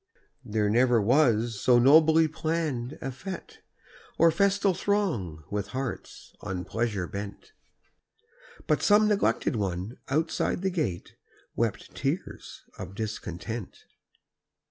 There never was so nobly planned a fête, Or festal throng with hearts on pleasure bent, But some neglected one outside the gate Wept tears of discontent.